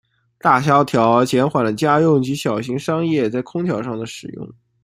大萧条减缓了家用及小型商业在空调上的使用。